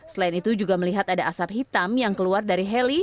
selain itu juga melihat ada asap hitam yang keluar dari heli